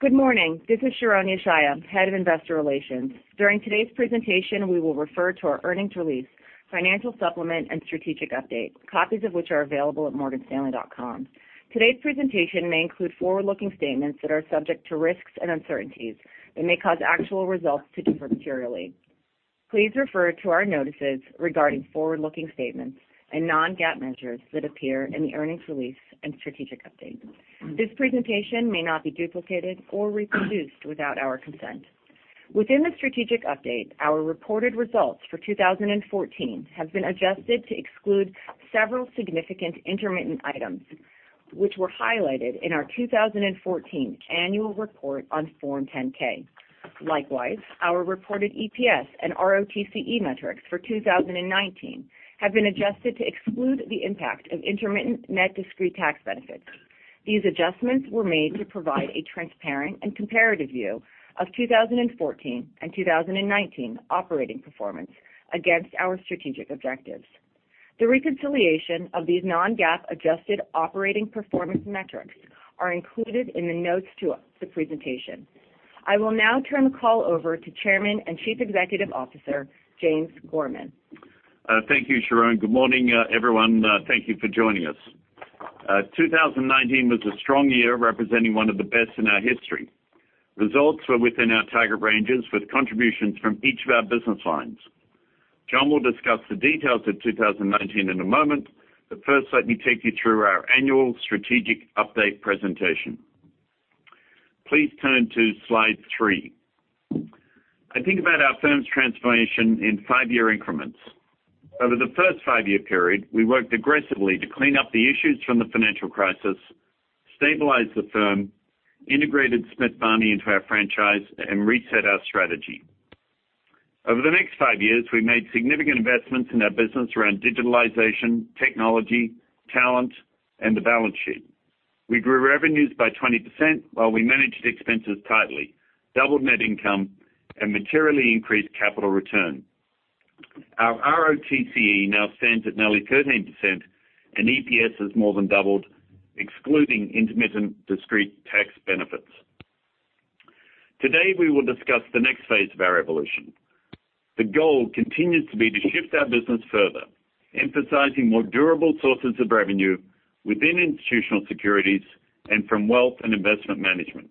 Good morning. This is Sharon Yeshaya, head of investor relations. During today's presentation, we will refer to our earnings release, financial supplement, and strategic update, copies of which are available at morganstanley.com. Today's presentation may include forward-looking statements that are subject to risks and uncertainties that may cause actual results to differ materially. Please refer to our notices regarding forward-looking statements and non-GAAP measures that appear in the earnings release and strategic update. This presentation may not be duplicated or reproduced without our consent. Within the strategic update, our reported results for 2014 have been adjusted to exclude several significant intermittent items, which were highlighted in our 2014 annual report on Form 10-K. Likewise, our reported EPS and ROTCE metrics for 2019 have been adjusted to exclude the impact of intermittent net discrete tax benefits. These adjustments were made to provide a transparent and comparative view of 2014 and 2019 operating performance against our strategic objectives. The reconciliation of these non-GAAP adjusted operating performance metrics are included in the notes to the presentation. I will now turn the call over to Chairman and Chief Executive Officer, James Gorman. Thank you, Sharon. Good morning, everyone. Thank you for joining us. 2019 was a strong year, representing one of the best in our history. Results were within our target ranges, with contributions from each of our business lines. John will discuss the details of 2019 in a moment, but first, let me take you through our annual strategic update presentation. Please turn to slide three. I think about our firm's transformation in five-year increments. Over the first five-year period, we worked aggressively to clean up the issues from the financial crisis, stabilize the firm, integrated Smith Barney into our franchise, and reset our strategy. Over the next five years, we made significant investments in our business around digitalization, technology, talent, and the balance sheet. We grew revenues by 20%, while we managed expenses tightly, doubled net income, and materially increased capital return. Our ROTCE now stands at nearly 13%, and EPS has more than doubled, excluding intermittent discrete tax benefits. Today, we will discuss the next phase of our evolution. The goal continues to be to shift our business further, emphasizing more durable sources of revenue within Institutional Securities and from Wealth and Investment Management.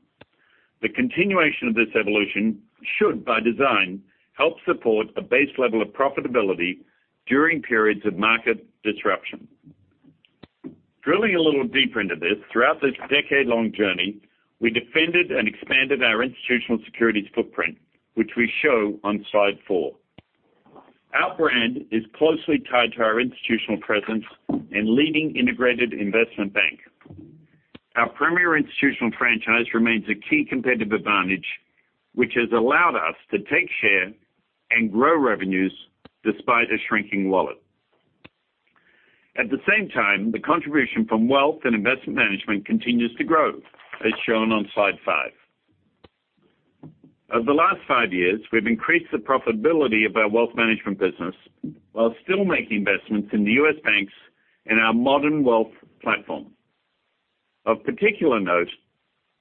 The continuation of this evolution should, by design, help support a base level of profitability during periods of market disruption. Drilling a little deeper into this, throughout this decade-long journey, we defended and expanded our Institutional Securities footprint, which we show on slide four. Our brand is closely tied to our institutional presence and leading integrated investment bank. Our premier institutional franchise remains a key competitive advantage, which has allowed us to take share and grow revenues despite a shrinking wallet. At the same time, the contribution from wealth and investment management continues to grow, as shown on slide five. Over the last five years, we've increased the profitability of our wealth management business while still making investments in U.S. banks and our modern wealth platform. Of particular note,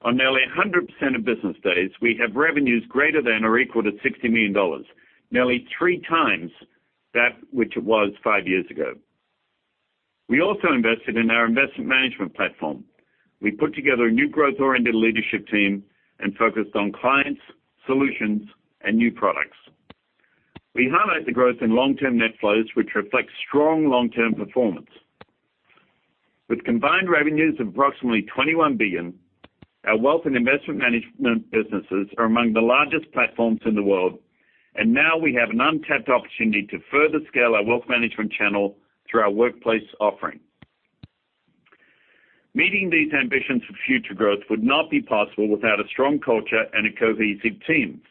on nearly 100% of business days, we have revenues greater than or equal to $60 million, nearly three times that which it was five years ago. We also invested in our investment management platform. We put together a new growth-oriented leadership team and focused on clients, solutions, and new products. We highlight the growth in long-term net flows, which reflects strong long-term performance. With combined revenues of approximately $21 billion, our wealth and investment management businesses are among the largest platforms in the world, and now we have an untapped opportunity to further scale our wealth management channel through our workplace offering. Meeting these ambitions for future growth would not be possible without a strong culture and a cohesive team.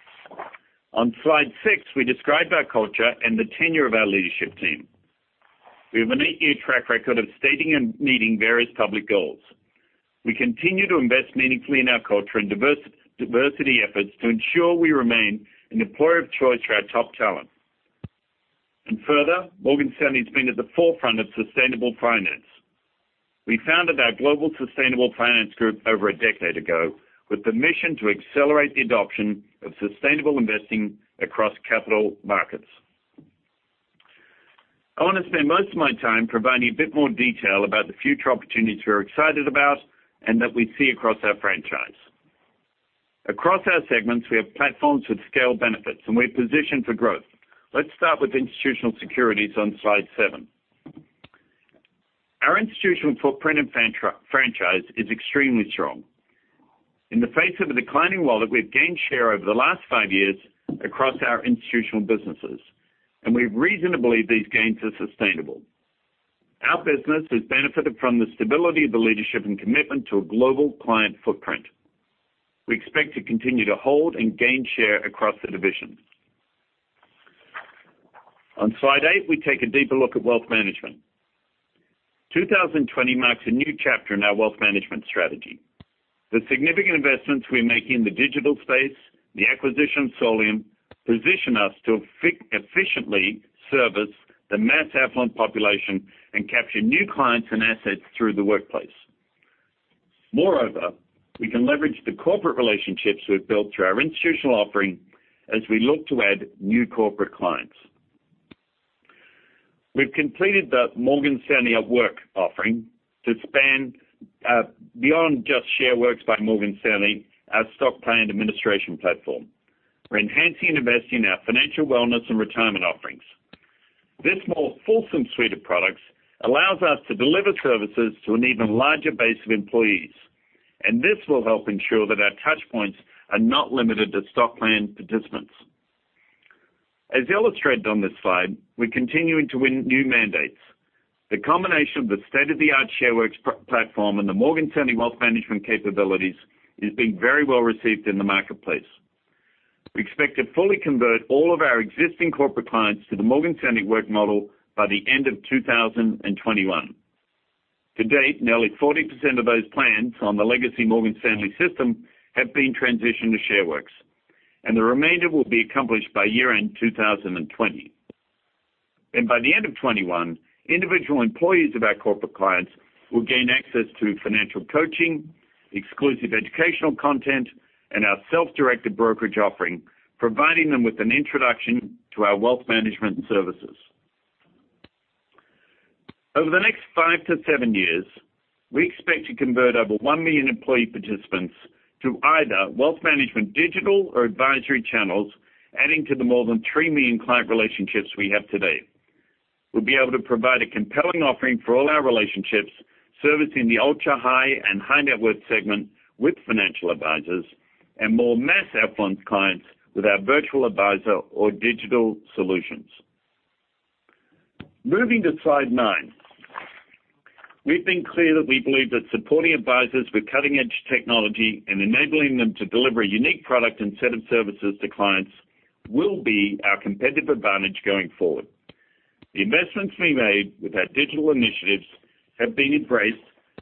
On slide six, we describe our culture and the tenure of our leadership team. We have an eight-year track record of stating and meeting various public goals. We continue to invest meaningfully in our culture and diversity efforts to ensure we remain an employer of choice for our top talent. Further, Morgan Stanley has been at the forefront of sustainable finance. We founded our global sustainable finance group over a decade ago with the mission to accelerate the adoption of sustainable investing across capital markets. I want to spend most of my time providing a bit more detail about the future opportunities we are excited about and that we see across our franchise. Across our segments, we have platforms with scale benefits, and we're positioned for growth. Let's start with Institutional Securities on slide seven. Our Institutional footprint and franchise is extremely strong. In the face of a declining wallet, we've gained share over the last five years across our Institutional businesses, and we have reason to believe these gains are sustainable. Our business has benefited from the stability of the leadership and commitment to a global client footprint. We expect to continue to hold and gain share across the division. On slide eight, we take a deeper look at Wealth Management. 2020 marks a new chapter in our Wealth Management strategy. The significant investments we make in the digital space, the acquisition of Solium, position us to efficiently service the mass affluent population and capture new clients and assets through the workplace. Moreover, we can leverage the corporate relationships we've built through our Institutional offering as we look to add new corporate clients. We've completed the Morgan Stanley at Work offering to expand beyond just Shareworks by Morgan Stanley, our stock plan administration platform. We're enhancing and investing in our financial wellness and retirement offerings. This more fulsome suite of products allows us to deliver services to an even larger base of employees, and this will help ensure that our touch points are not limited to stock plan participants. As illustrated on this slide, we're continuing to win new mandates. The combination of the state-of-the-art Shareworks platform and the Morgan Stanley wealth management capabilities is being very well received in the marketplace. We expect to fully convert all of our existing corporate clients to the Morgan Stanley at Work model by the end of 2021. To date, nearly 40% of those plans on the legacy Morgan Stanley system have been transitioned to Shareworks, and the remainder will be accomplished by year-end 2020. By the end of 2021, individual employees of our corporate clients will gain access to financial coaching, exclusive educational content, and our self-directed brokerage offering, providing them with an introduction to our wealth management services. Over the next 5 to 7 years, we expect to convert over 1 million employee participants to either wealth management digital or advisory channels, adding to the more than 3 million client relationships we have today. We'll be able to provide a compelling offering for all our relationships, servicing the ultra-high and high-net-worth segment with financial advisors and more mass affluent clients with our virtual advisor or digital solutions. Moving to slide nine. We've been clear that we believe that supporting advisors with cutting-edge technology and enabling them to deliver a unique product and set of services to clients will be our competitive advantage going forward. The investments we made with our digital initiatives have been embraced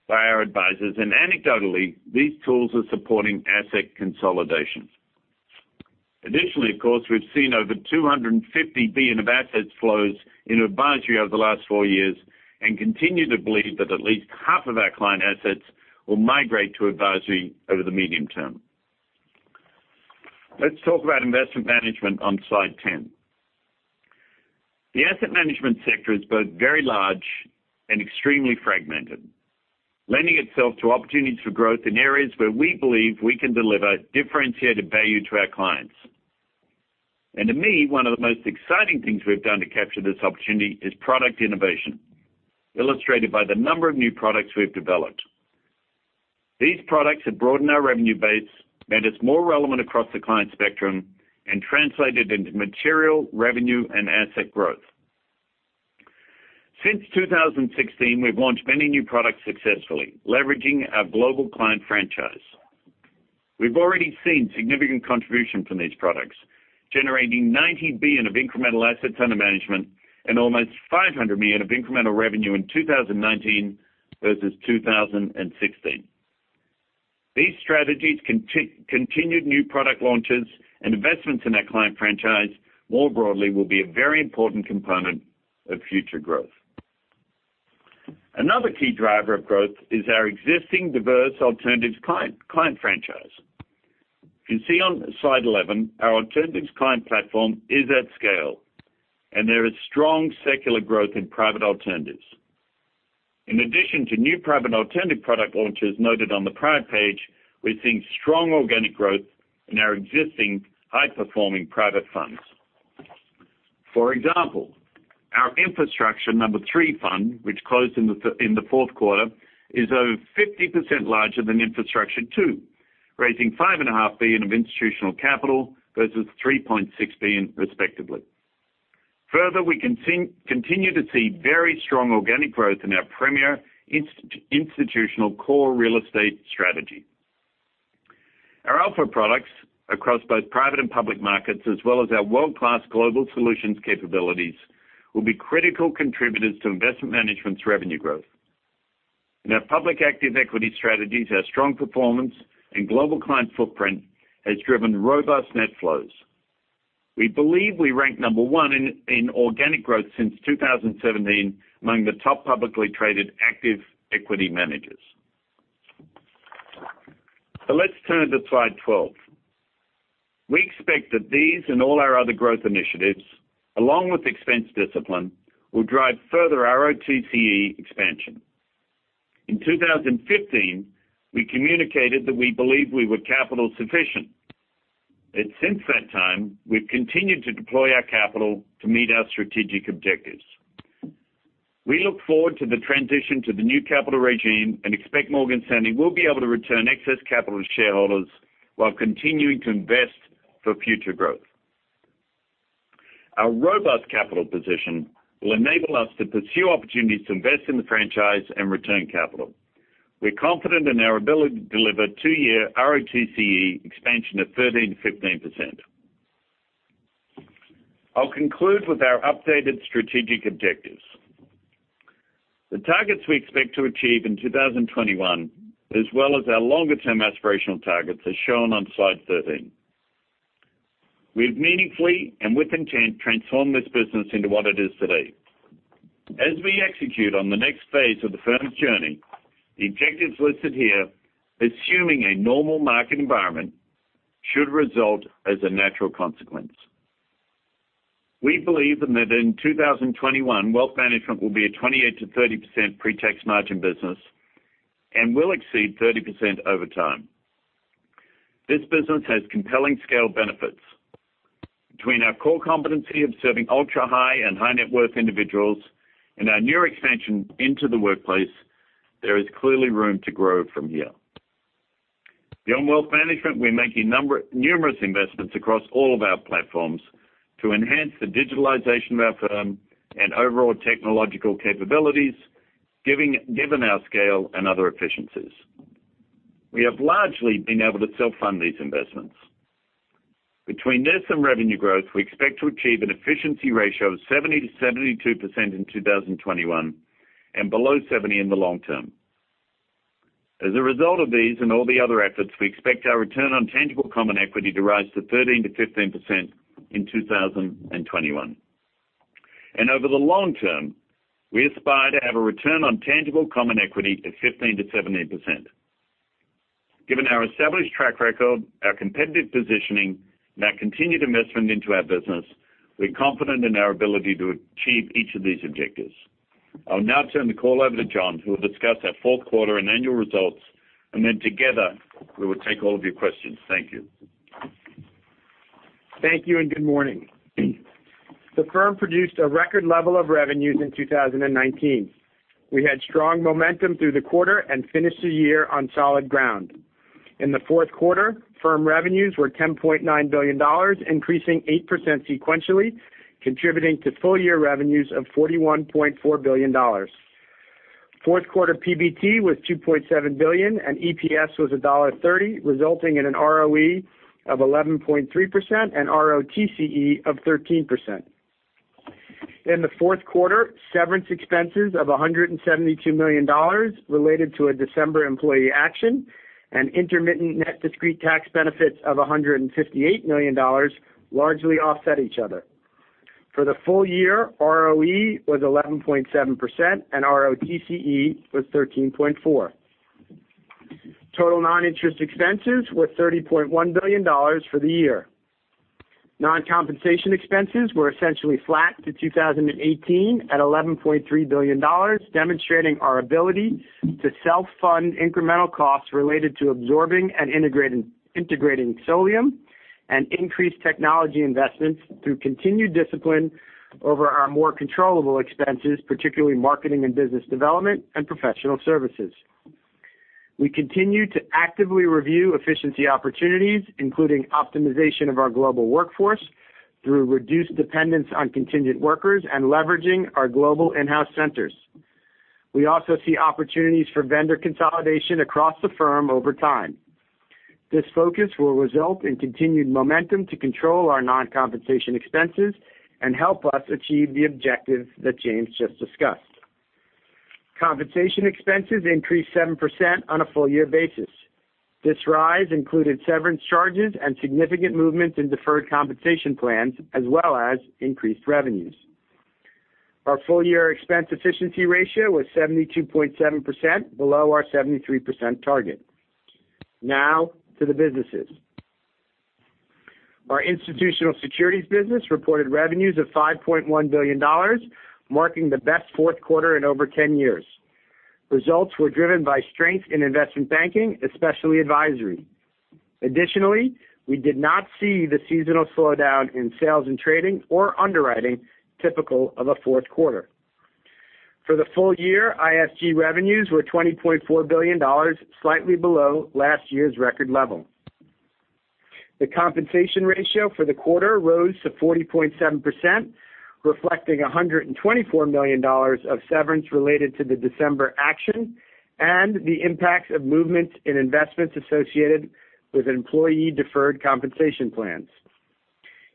by our advisors, and anecdotally, these tools are supporting asset consolidation. Additionally, of course, we've seen over $250 billion in assets flows into advisory over the last four years and continue to believe that at least half of our client assets will migrate to advisory over the medium term. Let's talk about investment management on slide 10. The asset management sector is both very large and extremely fragmented, lending itself to opportunities for growth in areas where we believe we can deliver differentiated value to our clients. To me, one of the most exciting things we've done to capture this opportunity is product innovation, illustrated by the number of new products we've developed. These products have broadened our revenue base, made us more relevant across the client spectrum, and translated into material revenue and asset growth. Since 2016, we've launched many new products successfully, leveraging our global client franchise. We've already seen significant contribution from these products, generating $90 billion in of incremental assets under management and almost $500 million of incremental revenue in 2019 versus 2016. These strategies, continued new product launches, and investments in our client franchise more broadly will be a very important component of future growth. Another key driver of growth is our existing diverse alternatives client franchise. You can see on slide 11, our alternatives client platform is at scale, and there is strong secular growth in private alternatives. In addition to new private alternative product launches noted on the prior page, we're seeing strong organic growth in our existing high-performing private funds. For example, our Infrastructure number 3 fund, which closed in the fourth quarter, is over 50% larger than Infrastructure II, raising $5.5 billion of institutional capital versus $3.6 billion respectively. Further, we continue to see very strong organic growth in our premier institutional core real estate strategy. Our alpha products across both private and public markets, as well as our world-class global solutions capabilities, will be critical contributors to Investment Management's revenue growth. In our public active equity strategies, our strong performance and global client footprint has driven robust net flows. We believe we rank number 1 in organic growth since 2017 among the top publicly traded active equity managers. Let's turn to slide 12. We expect that these and all our other growth initiatives, along with expense discipline, will drive further ROTCE expansion. In 2015, we communicated that we believed we were capital sufficient. Since that time, we've continued to deploy our capital to meet our strategic objectives. We look forward to the transition to the new capital regime and expect Morgan Stanley will be able to return excess capital to shareholders while continuing to invest for future growth. Our robust capital position will enable us to pursue opportunities to invest in the franchise and return capital. We're confident in our ability to deliver two-year ROTCE expansion of 13%-15%. I'll conclude with our updated strategic objectives. The targets we expect to achieve in 2021, as well as our longer-term aspirational targets, are shown on slide 13. We've meaningfully and with intent transformed this business into what it is today. As we execute on the next phase of the firm's journey, the objectives listed here, assuming a normal market environment, should result as a natural consequence. We believe that in 2021, wealth management will be a 28%-30% pre-tax margin business and will exceed 30% over time. This business has compelling scale benefits. Between our core competency of serving ultrahigh and high-net-worth individuals and our newer expansion into the workplace, there is clearly room to grow from here. Beyond wealth management, we're making numerous investments across all of our platforms to enhance the digitalization of our firm and overall technological capabilities, given our scale and other efficiencies. We have largely been able to self-fund these investments. Between this and revenue growth, we expect to achieve an efficiency ratio of 70%-72% in 2021 and below 70% in the long term. As a result of these and all the other efforts, we expect our return on tangible common equity to rise to 13%-15% in 2021. Over the long term, we aspire to have a return on tangible common equity of 15%-17%. Given our established track record, our competitive positioning, and our continued investment into our business, we're confident in our ability to achieve each of these objectives. I'll now turn the call over to John, who will discuss our fourth quarter and annual results, and then together we will take all of your questions. Thank you. Thank you, and good morning. The firm produced a record level of revenues in 2019. We had strong momentum through the quarter and finished the year on solid ground. In the fourth quarter, firm revenues were $10.9 billion, increasing 8% sequentially, contributing to full-year revenues of $41.4 billion. Fourth quarter PBT was $2.7 billion, and EPS was $1.30, resulting in an ROE of 11.3% and ROTCE of 13%. In the fourth quarter, severance expenses of $172 million related to a December employee action and intermittent net discrete tax benefits of $158 million largely offset each other. For the full year, ROE was 11.7% and ROTCE was 13.4%. Total non-interest expenses were $30.1 billion for the year. Non-compensation expenses were essentially flat to 2018 at $11.3 billion, demonstrating our ability to self-fund incremental costs related to absorbing and integrating Solium and increase technology investments through continued discipline over our more controllable expenses, particularly marketing and business development and professional services. We continue to actively review efficiency opportunities, including optimization of our global workforce through reduced dependence on contingent workers and leveraging our global in-house centers. We also see opportunities for vendor consolidation across the firm over time. This focus will result in continued momentum to control our non-compensation expenses and help us achieve the objectives that James just discussed. Compensation expenses increased 7% on a full-year basis. This rise included severance charges and significant movements in deferred compensation plans, as well as increased revenues. Our full-year expense efficiency ratio was 72.7%, below our 73% target. Now to the businesses. Our Institutional Securities business reported revenues of $5.1 billion, marking the best fourth quarter in over 10 years. Results were driven by strength in Investment Banking, especially advisory. We did not see the seasonal slowdown in Sales and Trading or Underwriting typical of a fourth quarter. For the full year, ISG revenues were $20.4 billion, slightly below last year's record level. The compensation ratio for the quarter rose to 40.7%, reflecting $124 million of severance related to the December action and the impacts of movements in investments associated with employee deferred compensation plans.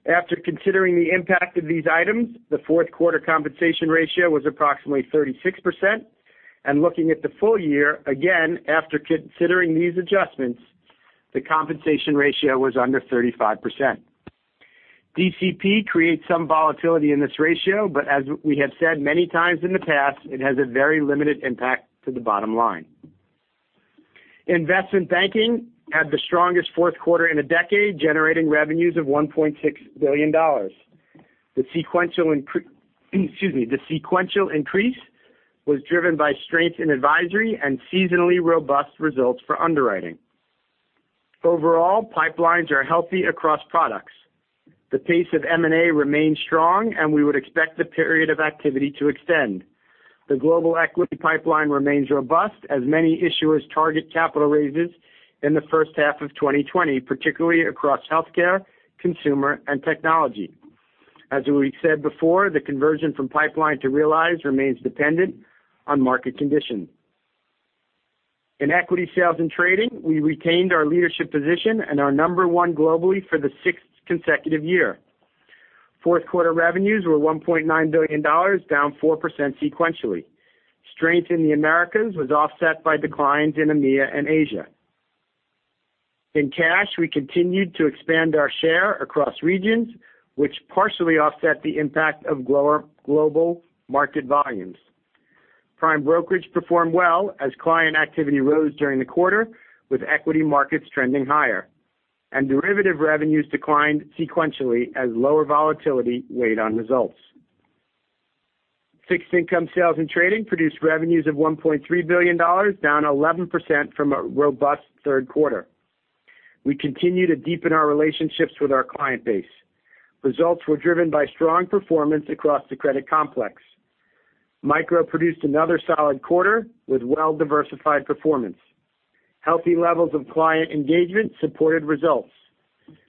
After considering the impact of these items, the fourth quarter compensation ratio was approximately 36%, and looking at the full year, again, after considering these adjustments, the compensation ratio was under 35%. DCP creates some volatility in this ratio, but as we have said many times in the past, it has a very limited impact to the bottom line. Investment banking had the strongest fourth quarter in a decade, generating revenues of $1.6 billion. The sequential increase was driven by strength in advisory and seasonally robust results for underwriting. Overall, pipelines are healthy across products. The pace of M&A remains strong, and we would expect the period of activity to extend. The global equity pipeline remains robust as many issuers target capital raises in the first half of 2020, particularly across healthcare, consumer, and technology. As we said before, the conversion from pipeline to realized remains dependent on market conditions. In equity sales and trading, we retained our leadership position and are number one globally for the sixth consecutive year. Fourth quarter revenues were $1.9 billion, down 4% sequentially. Strength in the Americas was offset by declines in EMEA and Asia. In cash, we continued to expand our share across regions, which partially offset the impact of lower global market volumes. Prime brokerage performed well as client activity rose during the quarter, with equity markets trending higher. Derivative revenues declined sequentially as lower volatility weighed on results. Fixed income sales and trading produced revenues of $1.3 billion, down 11% from a robust third quarter. We continue to deepen our relationships with our client base. Results were driven by strong performance across the credit complex. Micro produced another solid quarter with well-diversified performance. Healthy levels of client engagement supported results.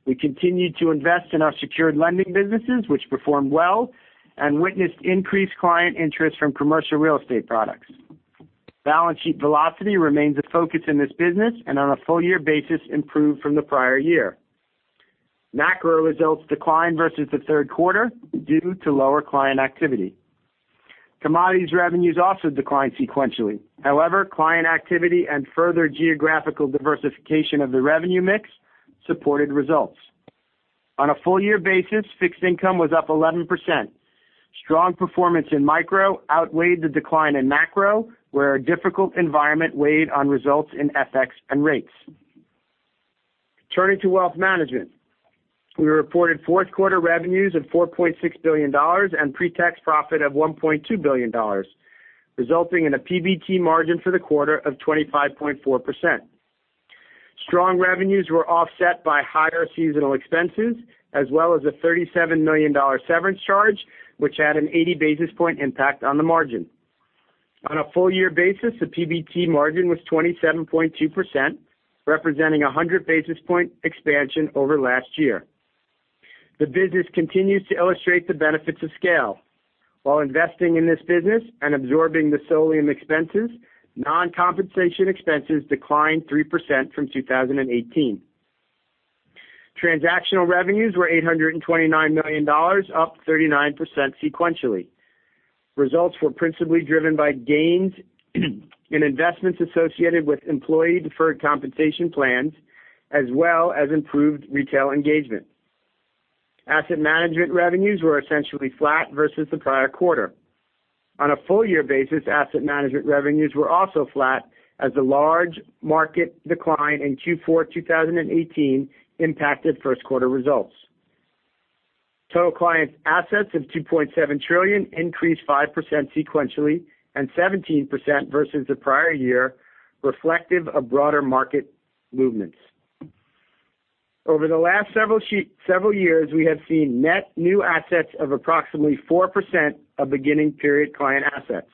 We continued to invest in our secured lending businesses, which performed well, and witnessed increased client interest from commercial real estate products. Balance sheet velocity remains a focus in this business, and on a full-year basis improved from the prior year. macro results declined versus the third quarter due to lower client activity. Commodities revenues also declined sequentially. Client activity and further geographical diversification of the revenue mix supported results. On a full-year basis, fixed income was up 11%. Strong performance in micro outweighed the decline in macro, where a difficult environment weighed on results in FX and rates. Turning to Wealth Management. We reported fourth quarter revenues of $4.6 billion and pre-tax profit of $1.2 billion, resulting in a PBT margin for the quarter of 25.4%. Strong revenues were offset by higher seasonal expenses as well as a $37 million severance charge, which had an 80 basis point impact on the margin. On a full-year basis, the PBT margin was 27.2%, representing 100 basis point expansion over last year. The business continues to illustrate the benefits of scale. While investing in this business and absorbing the Solium expenses, non-compensation expenses declined 3% from 2018. Transactional revenues were $829 million, up 39% sequentially. Results were principally driven by gains in investments associated with employee deferred compensation plans, as well as improved retail engagement. Asset management revenues were essentially flat versus the prior quarter. On a full year basis, asset management revenues were also flat as the large market decline in Q4 2018 impacted first quarter results. Total client assets of $2.7 trillion increased 5% sequentially and 17% versus the prior year, reflective of broader market movements. Over the last several years, we have seen net new assets of approximately 4% of beginning period client assets.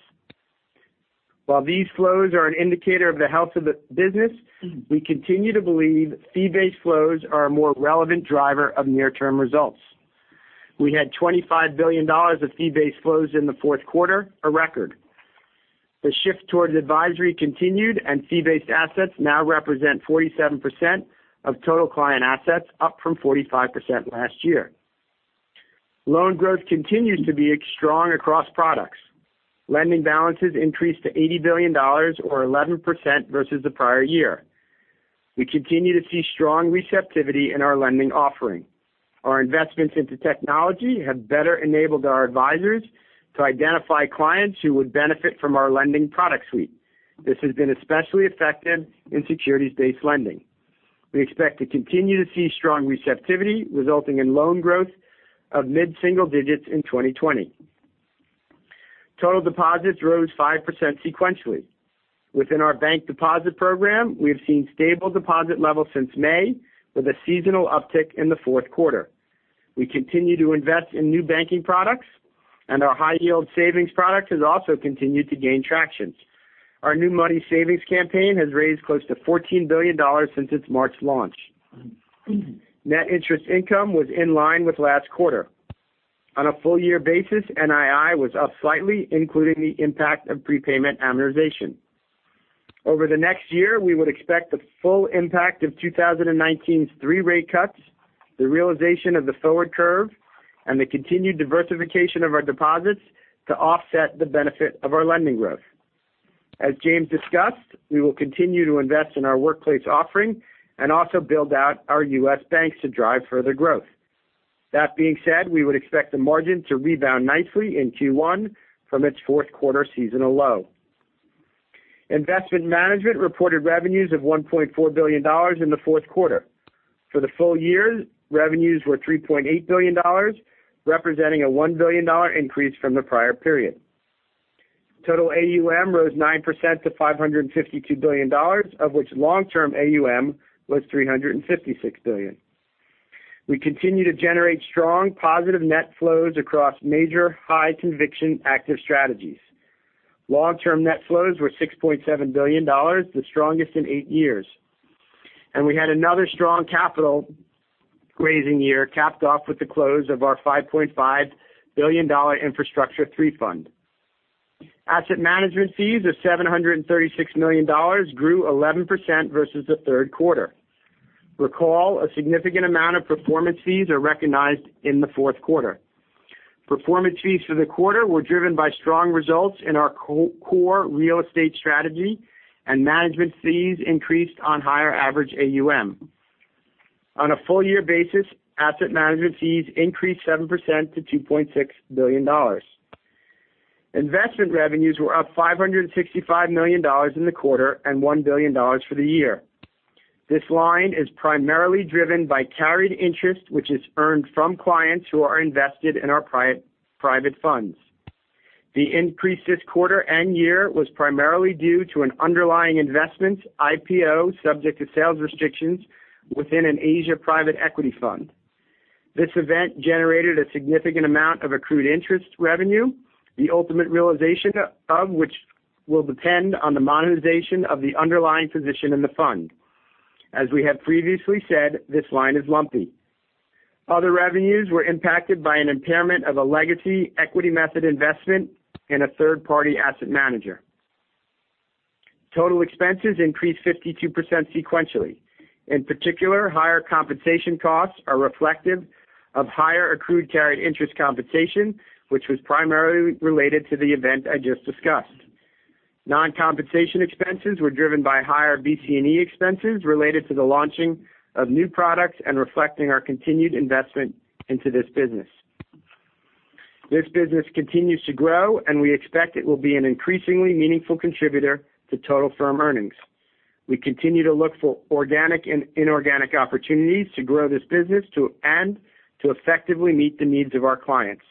While these flows are an indicator of the health of the business, we continue to believe fee-based flows are a more relevant driver of near-term results. We had $25 billion of fee-based flows in the fourth quarter, a record. The shift towards advisory continued, and fee-based assets now represent 47% of total client assets, up from 45% last year. Loan growth continues to be strong across products. Lending balances increased to $80 billion or 11% versus the prior year. We continue to see strong receptivity in our lending offering. Our investments into technology have better enabled our advisors to identify clients who would benefit from our lending product suite. This has been especially effective in securities-based lending. We expect to continue to see strong receptivity resulting in loan growth of mid-single digits in 2020. Total deposits rose 5% sequentially. Within our bank deposit program, we have seen stable deposit levels since May with a seasonal uptick in the fourth quarter. We continue to invest in new banking products, and our high yield savings product has also continued to gain traction. Our new money savings campaign has raised close to $14 billion since its March launch. Net interest income was in line with last quarter. On a full year basis, NII was up slightly, including the impact of prepayment amortization. Over the next year, we would expect the full impact of 2019's three rate cuts, the realization of the forward curve, and the continued diversification of our deposits to offset the benefit of our lending growth. As James discussed, we will continue to invest in our workplace offering and also build out our U.S. banks to drive further growth. That being said, we would expect the margin to rebound nicely in Q1 from its fourth quarter seasonal low. Investment Management reported revenues of $1.4 billion in the fourth quarter. For the full year, revenues were $3.8 billion, representing a $1 billion increase from the prior period. Total AUM rose 9% to $552 billion, of which long-term AUM was $356 billion. We continue to generate strong positive net flows across major high conviction active strategies. Long-term net flows were $6.7 billion, the strongest in eight years. We had another strong capital raising year capped off with the close of our $5.5 billion Infrastructure III fund. Asset management fees of $736 million grew 11% versus the third quarter. Recall, a significant amount of performance fees are recognized in the fourth quarter. Performance fees for the quarter were driven by strong results in our core real estate strategy, and management fees increased on higher average AUM. On a full year basis, asset management fees increased 7% to $2.6 billion. Investment revenues were up $565 million in the quarter and $1 billion for the year. This line is primarily driven by carried interest, which is earned from clients who are invested in our private funds. The increase this quarter and year was primarily due to an underlying investment IPO subject to sales restrictions within an Asia private equity fund. This event generated a significant amount of accrued interest revenue, the ultimate realization of which will depend on the monetization of the underlying position in the fund. As we have previously said, this line is lumpy. Other revenues were impacted by an impairment of a legacy equity method investment in a third-party asset manager. Total expenses increased 52% sequentially. In particular, higher compensation costs are reflective of higher accrued carried interest compensation, which was primarily related to the event I just discussed. Non-compensation expenses were driven by higher BD&E expenses related to the launching of new products and reflecting our continued investment into this business. This business continues to grow, and we expect it will be an increasingly meaningful contributor to total firm earnings. We continue to look for organic and inorganic opportunities to grow this business and to effectively meet the needs of our clients.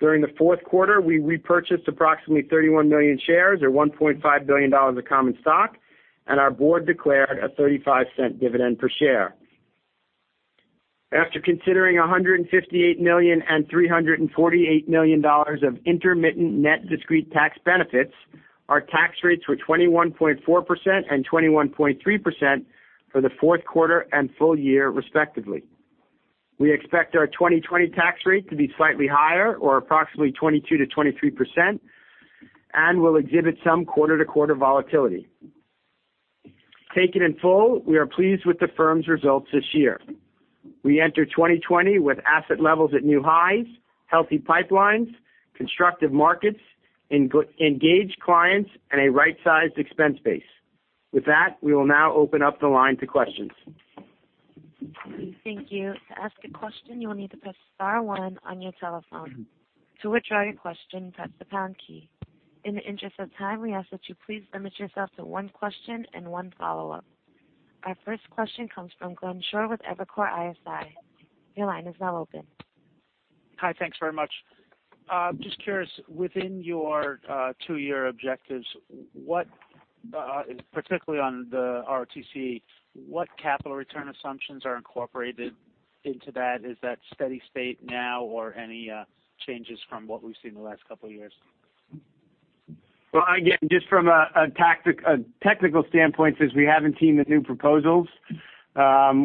During the fourth quarter, we repurchased approximately 31 million shares or $1.5 billion of common stock, and our board declared a $0.35 dividend per share. After considering $158 million and $348 million of intermittent net discrete tax benefits, our tax rates were 21.4% and 21.3% for the fourth quarter and full year respectively. We expect our 2020 tax rate to be slightly higher or approximately 22%-23% and will exhibit some quarter-to-quarter volatility. Taken in full, we are pleased with the firm's results this year. We enter 2020 with asset levels at new highs, healthy pipelines, constructive markets, engaged clients, and a right-sized expense base. With that, we will now open up the line to questions. Thank you. To ask a question, you will need to press *1 on your telephone. To withdraw your question, press the # key. In the interest of time, we ask that you please limit yourself to one question and one follow-up. Our first question comes from Glenn Schorr with Evercore ISI. Your line is now open. Hi, thanks very much. Just curious, within your two-year objectives, particularly on the ROTCE, what capital return assumptions are incorporated into that? Is that steady state now or any changes from what we've seen the last couple of years? Well, again, just from a technical standpoint, since we haven't seen the new proposals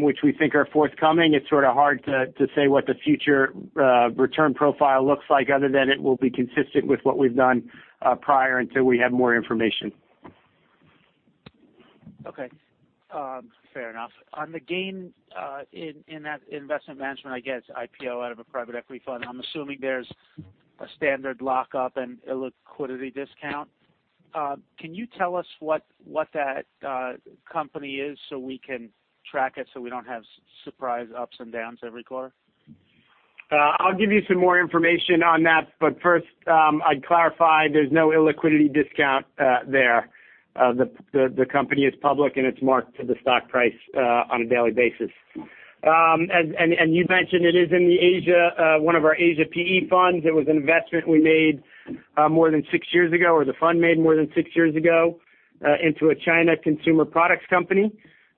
which we think are forthcoming. It's sort of hard to say what the future return profile looks like other than it will be consistent with what we've done prior until we have more information. Okay. Fair enough. On the gain in investment management, I guess IPO out of a private equity fund. I'm assuming there's a standard lockup and illiquidity discount. Can you tell us what that company is so we can track it so we don't have surprise ups and downs every quarter? I'll give you some more information on that. First, I'd clarify there's no illiquidity discount there. The company is public, it's marked to the stock price on a daily basis. You mentioned it is in one of our Asia PE funds. It was an investment we made more than six years ago, or the fund made more than six years ago into a China consumer products company.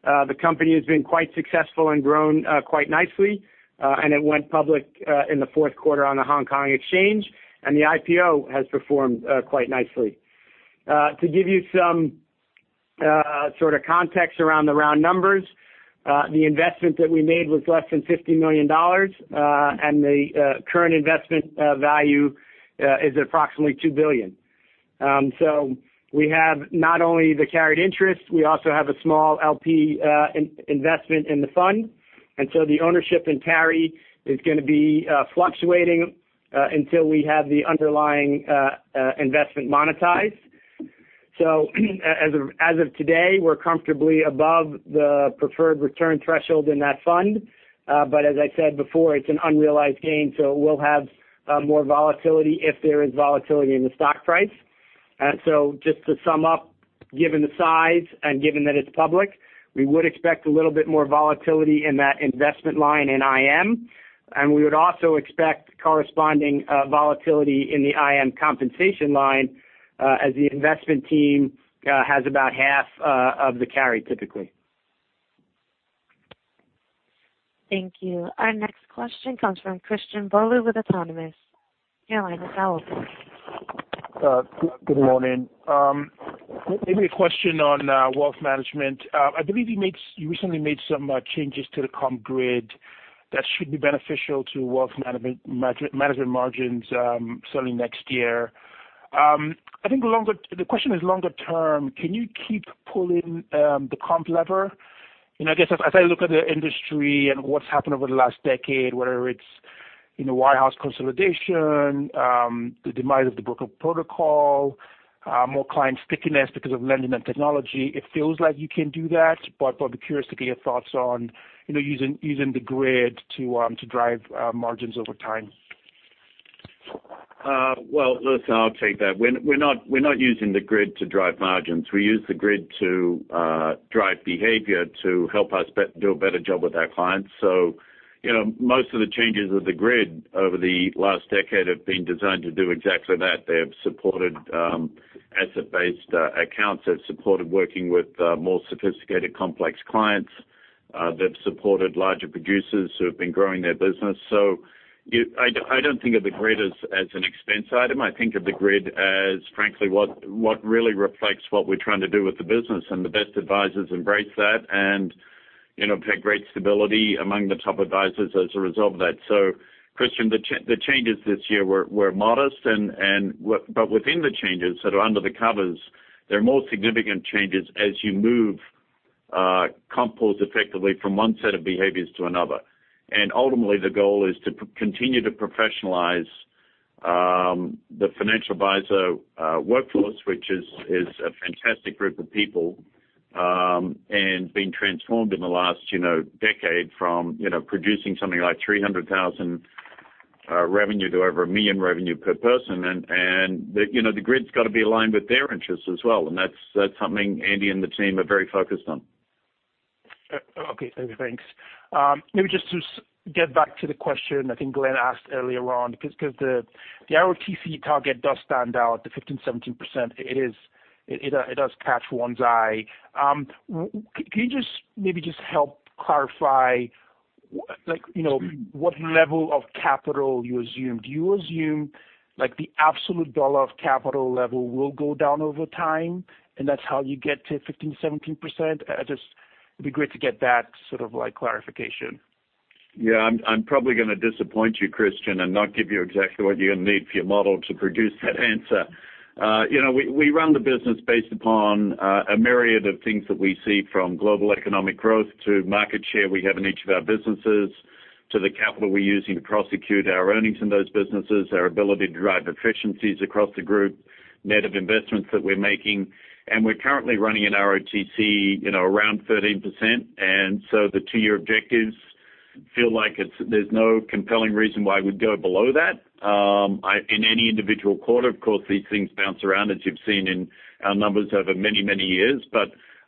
The company has been quite successful and grown quite nicely. It went public in the fourth quarter on the Hong Kong Exchange, the IPO has performed quite nicely. To give you some sort of context around the round numbers. The investment that we made was less than $50 million, the current investment value is approximately $2 billion. We have not only the carried interest, we also have a small LP investment in the fund. The ownership in carry is going to be fluctuating until we have the underlying investment monetized. As of today, we're comfortably above the preferred return threshold in that fund. As I said before, it's an unrealized gain, so it will have more volatility if there is volatility in the stock price. Just to sum up, given the size and given that it's public, we would expect a little bit more volatility in that investment line in IM. We would also expect corresponding volatility in the IM compensation line as the investment team has about half of the carry typically. Thank you. Our next question comes from Christian Bolu with Autonomous. Your line is now open. Good morning. A question on Wealth Management. I believe you recently made some changes to the comp grid that should be beneficial to Wealth Management margins certainly next year. The question is longer term. Can you keep pulling the comp lever? I guess as I look at the industry and what's happened over the last decade, whether it's wirehouse consolidation, the demise of the broker protocol, more client stickiness because of lending and technology, it feels like you can do that. I'd be curious to get your thoughts on using the grid to drive margins over time. Well, listen, I'll take that. We're not using the grid to drive margins. We use the grid to drive behavior to help us do a better job with our clients. Most of the changes of the grid over the last decade have been designed to do exactly that. They have supported asset-based accounts. They've supported working with more sophisticated, complex clients. They've supported larger producers who have been growing their business. I don't think of the grid as an expense item. I think of the grid as frankly, what really reflects what we're trying to do with the business. The best advisors embrace that and have had great stability among the top advisors as a result of that. Christian, the changes this year were modest. Within the changes, sort of under the covers, they're more significant changes as you move comp pools effectively from one set of behaviors to another. Ultimately, the goal is to continue to professionalize the financial advisor workforce, which is a fantastic group of people, and been transformed in the last decade from producing something like $300,000 revenue to over $1 million revenue per person. The grid's got to be aligned with their interests as well, and that's something Andy and the team are very focused on. Okay. Thanks. Maybe just to get back to the question I think Glenn asked earlier on, because the ROTCE target does stand out, the 15%-17%. It does catch one's eye. Can you just maybe help clarify what level of capital you assumed? Do you assume the absolute dollar of capital level will go down over time, That's how you get to 15%-17%? It would be great to get that sort of clarification. I'm probably going to disappoint you, Christian, and not give you exactly what you're going to need for your model to produce that answer. We run the business based upon a myriad of things that we see from global economic growth to market share we have in each of our businesses, to the capital we're using to prosecute our earnings in those businesses, our ability to drive efficiencies across the group, net of investments that we're making. We're currently running an ROTCE around 13%. The two-year objectives feel like there's no compelling reason why we'd go below that. In any individual quarter, of course, these things bounce around, as you've seen in our numbers over many, many years.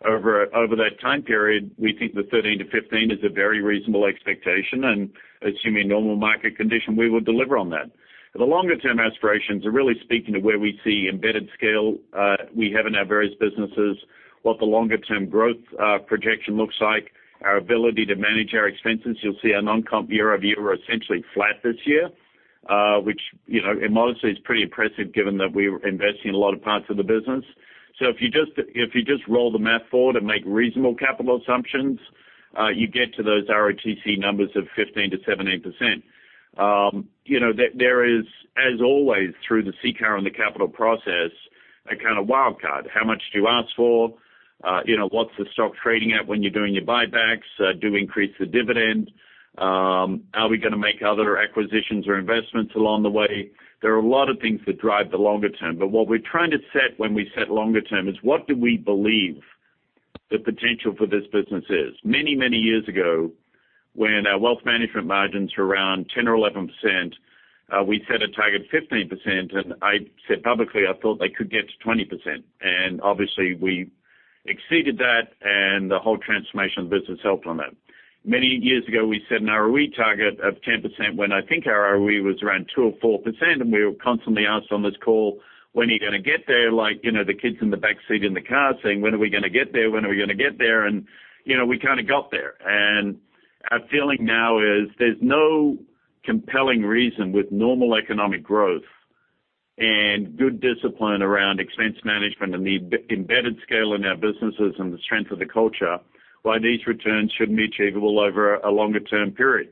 Over that time period, we think that 13%-15% is a very reasonable expectation. Assuming normal market condition, we will deliver on that. The longer-term aspirations are really speaking to where we see embedded scale we have in our various businesses, what the longer-term growth projection looks like, our ability to manage our expenses. You'll see our non-comp year-over-year are essentially flat this year, which modestly is pretty impressive given that we're investing in a lot of parts of the business. If you just roll the math forward and make reasonable capital assumptions, you get to those ROTCE numbers of 15%-17%. There is, as always, through the CCAR and the capital process, a kind of wildcard. How much do you ask for? What's the stock trading at when you're doing your buybacks? Do we increase the dividend? Are we going to make other acquisitions or investments along the way? There are a lot of things that drive the longer term. What we're trying to set when we set longer term is what do we believe the potential for this business is? Many, many years ago, when our wealth management margins were around 10 or 11%, we set a target of 15%, and I said publicly I thought they could get to 20%. Obviously, we exceeded that, and the whole transformation of the business helped on that. Many years ago, we set an ROE target of 10% when I think our ROE was around two or 4%, and we were constantly asked on this call, "When are you going to get there?" Like the kids in the back seat in the car saying, "When are we going to get there? When are we going to get there?" We kind of got there. Our feeling now is there's no compelling reason with normal economic growth and good discipline around expense management and the embedded scale in our businesses and the strength of the culture, why these returns shouldn't be achievable over a longer-term period.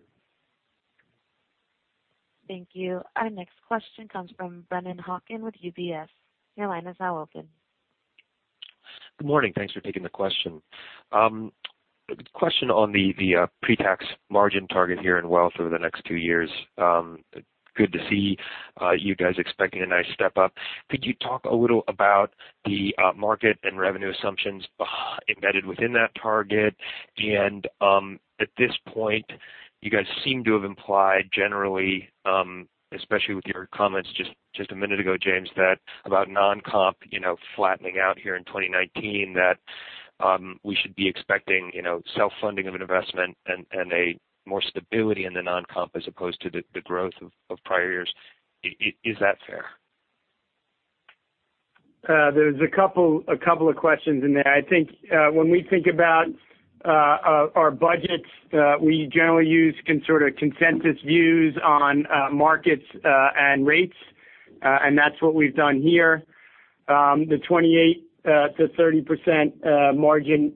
Thank you. Our next question comes from Brennan Hawken with UBS. Your line is now open. Good morning. Thanks for taking the question. Question on the pre-tax margin target here in wealth over the next two years. Good to see you guys expecting a nice step up. Could you talk a little about the market and revenue assumptions embedded within that target? At this point, you guys seem to have implied generally, especially with your comments just a minute ago, James, about non-comp flattening out here in 2019, that we should be expecting self-funding of investment and more stability in the non-comp as opposed to the growth of prior years. Is that fair? There's a couple of questions in there. I think when we think about our budgets, we generally use sort of consensus views on markets and rates, and that's what we've done here. The 28%-30% margin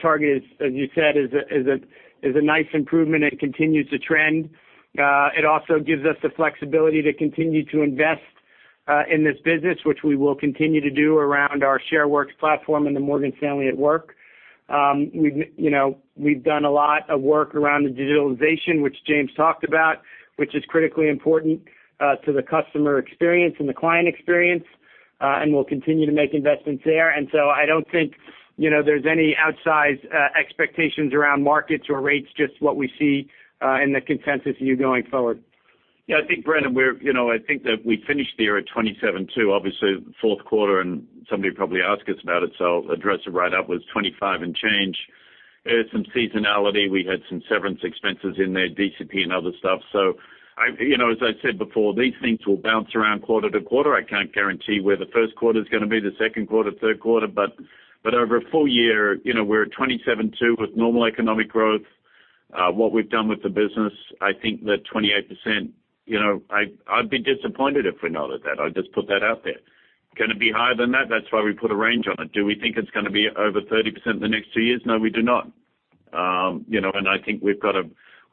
target, as you said, is a nice improvement and continues to trend. It also gives us the flexibility to continue to invest in this business, which we will continue to do around our Shareworks platform and the Morgan Stanley at Work. We've done a lot of work around the digitalization, which James talked about, which is critically important to the customer experience and the client experience. We'll continue to make investments there. I don't think there's any outsized expectations around markets or rates, just what we see in the consensus view going forward. Yeah, I think, Brennan, I think that we finished the year at 27.2%, obviously the fourth quarter, and somebody will probably ask us about it, so I'll address it right up, was 25% and change. There's some seasonality. We had some severance expenses in there, DCP and other stuff. As I said before, these things will bounce around quarter to quarter. I can't guarantee where the first quarter's going to be, the second quarter, third quarter, but over a full year, we're at 27.2% with normal economic growth. What we've done with the business, I think that 28%, I'd be disappointed if we're not at that. I'll just put that out there. Going to be higher than that? That's why we put a range on it. Do we think it's going to be over 30% in the next two years? No, we do not. I think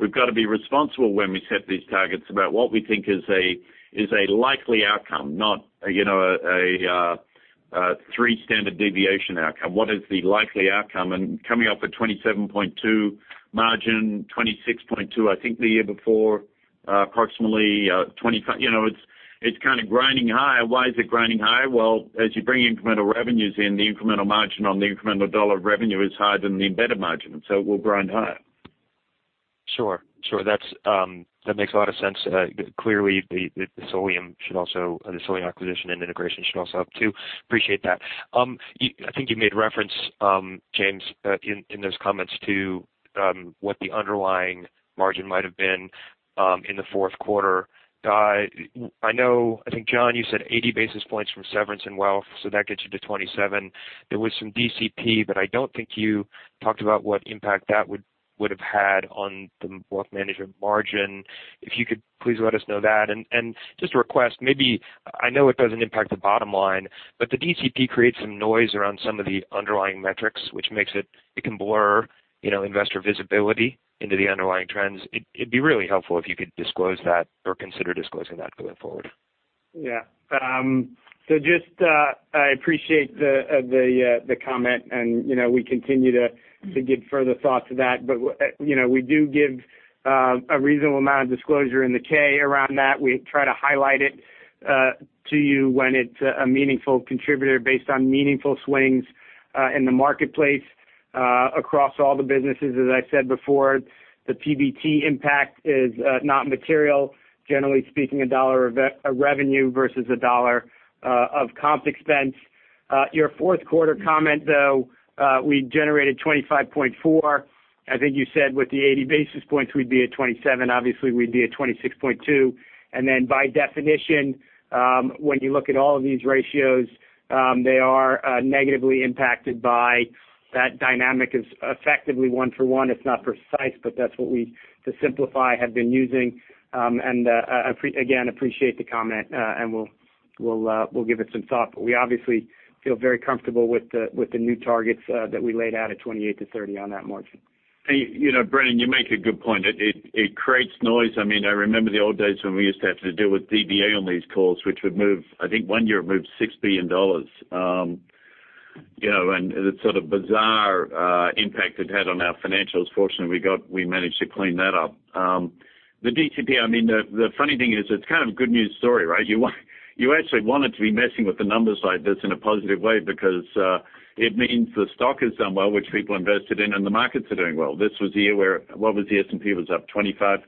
we've got to be responsible when we set these targets about what we think is a likely outcome, not a three standard deviation outcome. What is the likely outcome? Coming off a 27.2% margin, 26.2%, I think the year before, approximately 20%, it's kind of grinding higher. Why is it grinding higher? Well, as you bring incremental revenues in, the incremental margin on the incremental dollar of revenue is higher than the embedded margin, and so it will grind higher. Sure. That makes a lot of sense. Clearly, the Solium acquisition and integration should also help, too. Appreciate that. I think you made reference, James, in those comments to what the underlying margin might have been in the fourth quarter. I think, John, you said 80 basis points from severance and wealth, so that gets you to 27%. There was some DCP, but I don't think you talked about what impact that would have had on the wealth management margin. If you could please let us know that. Just a request, I know it doesn't impact the bottom line, but the DCP creates some noise around some of the underlying metrics, which it can blur investor visibility into the underlying trends. It'd be really helpful if you could disclose that or consider disclosing that going forward. Yeah. Just, I appreciate the comment, and we continue to give further thought to that. We do give a reasonable amount of disclosure in the K around that. We try to highlight it to you when it's a meaningful contributor based on meaningful swings in the marketplace across all the businesses. As I said before, the PBT impact is not material. Generally speaking, a dollar of revenue versus a dollar of comp expense. Your fourth quarter comment, though, we generated 25.4. I think you said with the 80 basis points, we'd be at 27. Obviously, we'd be at 26.2. By definition, when you look at all of these ratios, they are negatively impacted by that dynamic as effectively 1 for 1. It's not precise, but that's what we, to simplify, have been using. Again, appreciate the comment, and we'll give it some thought. We obviously feel very comfortable with the new targets that we laid out at 28%-30% on that margin. Brennan, you make a good point. It creates noise. I remember the old days when we used to have to deal with DVA on these calls, which would move, I think one year it moved $6 billion. The sort of bizarre impact it had on our financials. Fortunately, we managed to clean that up. The DCP, the funny thing is it's kind of a good news story, right? You actually wanted to be messing with the numbers like this in a positive way because it means the stock has done well, which people invested in, and the markets are doing well. This was the year where, what was the S&P? It was up 25,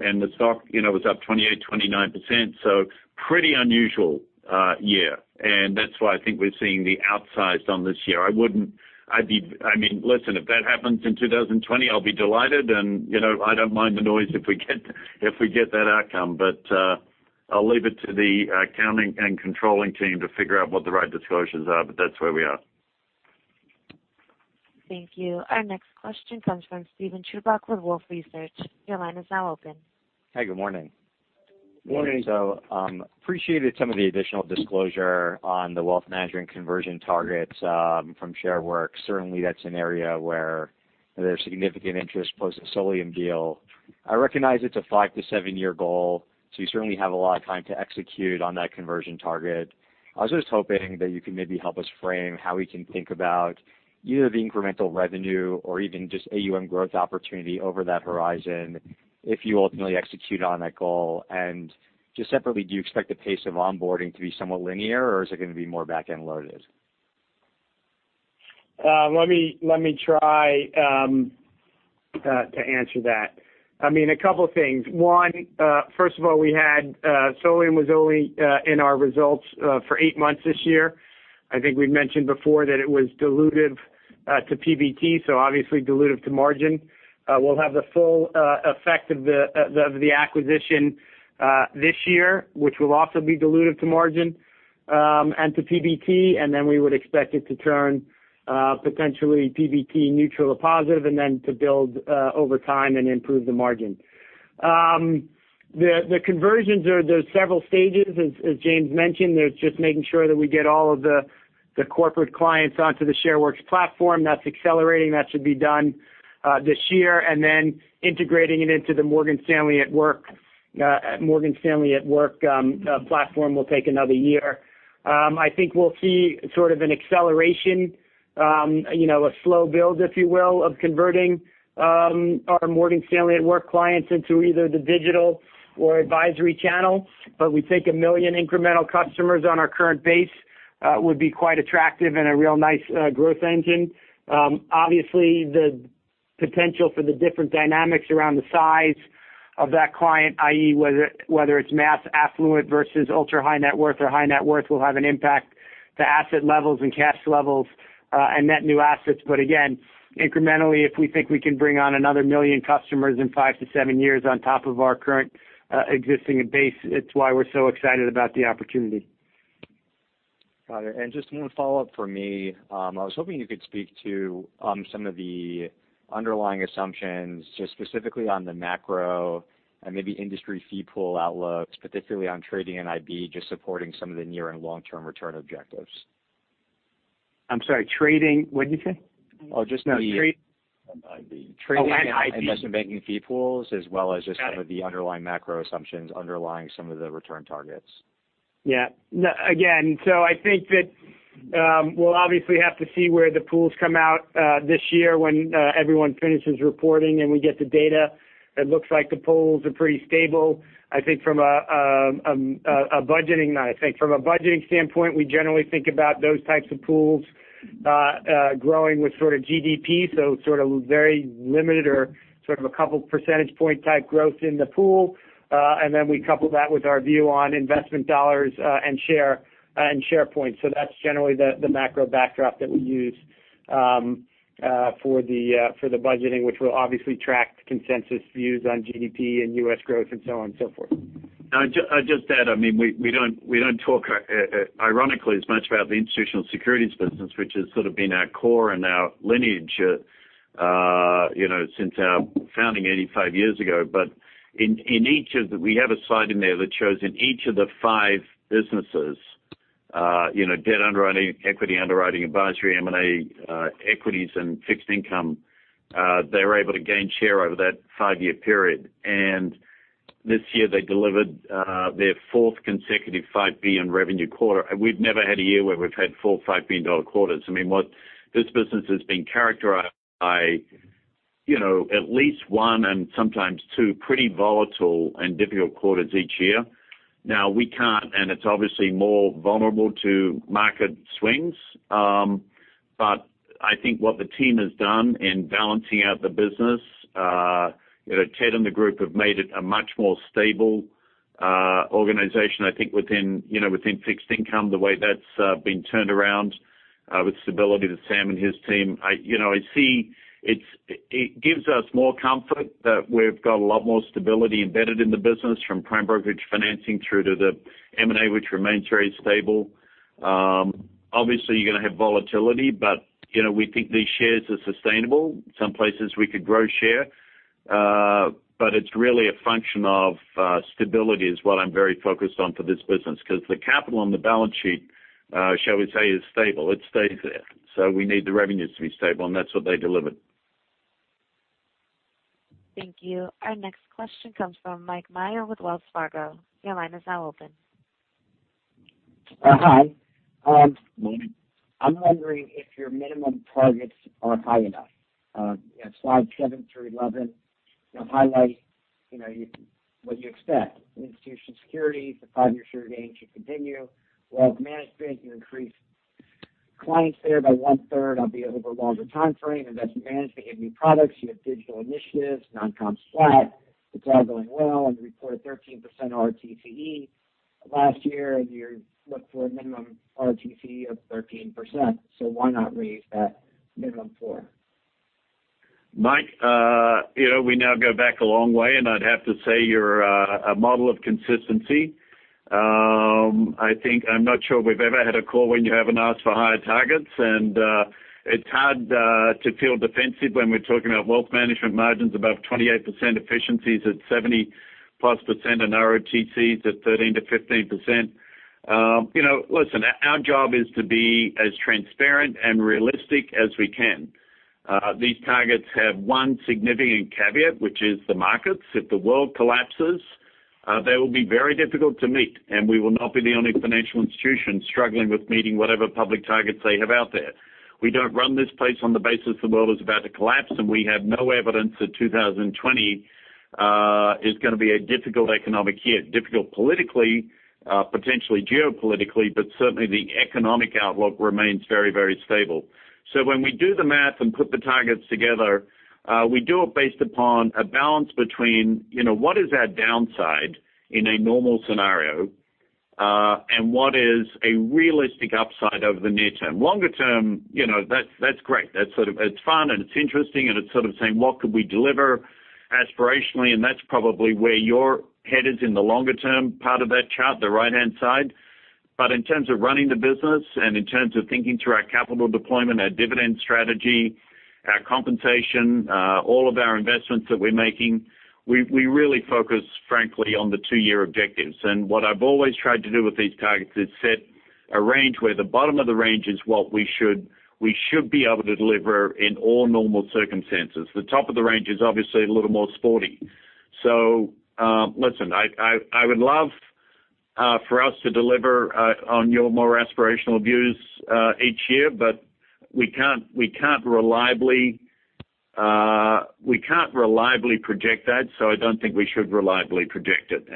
and the stock was up 28%, 29%, so pretty unusual year. That's why I think we're seeing the outsized on this year. Listen, if that happens in 2020, I'll be delighted, and I don't mind the noise if we get that outcome. I'll leave it to the accounting and controlling team to figure out what the right disclosures are, but that's where we are. Thank you. Our next question comes from Steven Chubak with Wolfe Research. Your line is now open. Hey, good morning. Morning. Appreciated some of the additional disclosure on the wealth management conversion targets from Shareworks. Certainly, that's an area where there's significant interest post the Solium deal. I recognize it's a five to seven-year goal, so you certainly have a lot of time to execute on that conversion target. I was just hoping that you could maybe help us frame how we can think about either the incremental revenue or even just AUM growth opportunity over that horizon if you ultimately execute on that goal. Just separately, do you expect the pace of onboarding to be somewhat linear, or is it going to be more back-end loaded? Let me try to answer that. A couple of things. One, first of all, Solium was only in our results for eight months this year. I think we've mentioned before that it was dilutive to PBT, so obviously dilutive to margin. We'll have the full effect of the acquisition this year, which will also be dilutive to margin and to PBT, and then we would expect it to turn potentially PBT neutral or positive, and then to build over time and improve the margin. The conversions, there are several stages, as James mentioned. There's just making sure that we get all of the corporate clients onto the Shareworks platform. That's accelerating. That should be done this year. Then integrating it into the Morgan Stanley at Work platform will take another year. I think we'll see sort of an acceleration, a slow build, if you will, of converting our Morgan Stanley at Work clients into either the digital or advisory channel. We think 1 million incremental customers on our current base would be quite attractive and a real nice growth engine. Obviously, the potential for the different dynamics around the size of that client, i.e., whether it's mass affluent versus ultra-high net worth or high net worth, will have an impact to asset levels and cash levels and net new assets. Again, incrementally, if we think we can bring on another 1 million customers in five to seven years on top of our current existing base, it's why we're so excited about the opportunity. Got it. Just one follow-up from me. I was hoping you could speak to some of the underlying assumptions, just specifically on the macro and maybe industry fee pool outlooks, particularly on trading and IB, just supporting some of the near and long-term return objectives. I'm sorry, trading. What did you say? Oh, just- Trade- The trading- Oh, IB. investment banking fee pools. Got it. some of the underlying macro assumptions underlying some of the return targets. I think that we'll obviously have to see where the pools come out this year when everyone finishes reporting, and we get the data. It looks like the pools are pretty stable. I think from a budgeting standpoint, we generally think about those types of pools growing with sort of GDP, so sort of very limited or sort of a couple percentage point type growth in the pool. We couple that with our view on investment dollars and share points. That's generally the macro backdrop that we use for the budgeting, which will obviously track consensus views on GDP and U.S. growth and so on and so forth. I'll just add, we don't talk ironically as much about the Institutional Securities Group, which has sort of been our core and our lineage since our founding 85 years ago. We have a slide in there that shows in each of the five businesses, debt underwriting, equity underwriting, advisory, M&A, equities, and fixed income, they were able to gain share over that five-year period. This year they delivered their fourth consecutive $5 billion revenue quarter. We've never had a year where we've had four $5 billion quarters. This business has been characterized by at least one and sometimes two pretty volatile and difficult quarters each year. Now we can't, and it's obviously more vulnerable to market swings. I think what the team has done in balancing out the business, Ted and the group have made it a much more stable organization. I think within fixed income, the way that's been turned around with stability, that Sam and his team, I see it gives us more comfort that we've got a lot more stability embedded in the business from prime brokerage financing through to the M&A, which remains very stable. You're going to have volatility, we think these shares are sustainable. Some places we could grow share. It's really a function of stability is what I'm very focused on for this business because the capital on the balance sheet, shall we say, is stable. It stays there. We need the revenues to be stable, that's what they delivered. Thank you. Our next question comes from Mike Mayo with Wells Fargo. Your line is now open. Hi. I'm wondering if your minimum targets are high enough. Slides seven through 11 highlight what you expect. Institutional Securities, the five-year share gains should continue. Wealth Management, you increase clients there by one-third albeit over a longer timeframe. Investment Management, you have new products, you have digital initiatives, non-comp flat. It's all going well, and you report a 13% ROTCE last year, and you look for a minimum ROTCE of 13%. Why not raise that minimum forward? Mike, we now go back a long way, and I'd have to say you're a model of consistency. I'm not sure we've ever had a call when you haven't asked for higher targets, and it's hard to feel defensive when we're talking about wealth management margins above 28%, efficiencies at 70-plus %, and ROTCEs at 13%-15%. Listen, our job is to be as transparent and realistic as we can. These targets have one significant caveat, which is the markets. If the world collapses, they will be very difficult to meet, and we will not be the only financial institution struggling with meeting whatever public targets they have out there. We don't run this place on the basis the world is about to collapse, and we have no evidence that 2020 is going to be a difficult economic year. Difficult politically, potentially geopolitically, certainly the economic outlook remains very, very stable. When we do the math and put the targets together, we do it based upon a balance between what is our downside in a normal scenario and what is a realistic upside over the near term? Longer term, that's great. That's sort of, it's fun and it's interesting, and it's sort of saying, what could we deliver aspirationally? That's probably where your head is in the longer-term part of that chart, the right-hand side. In terms of running the business and in terms of thinking through our capital deployment, our dividend strategy, our compensation, all of our investments that we're making, we really focus, frankly, on the two-year objectives. What I've always tried to do with these targets is set a range where the bottom of the range is what we should be able to deliver in all normal circumstances. The top of the range is obviously a little more sporty. Listen, I would love for us to deliver on your more aspirational views, each year, but we can't reliably project that, so I don't think we should reliably project it.